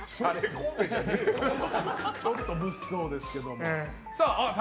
ちょっと物騒ですけども。